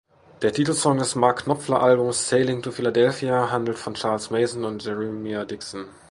Der Titelsong des Mark-Knopfler-Albums Sailing to Philadelphia handelt von Charles Mason und Jeremiah Dixon.